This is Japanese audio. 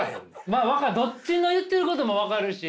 まあどっちの言ってることも分かるし。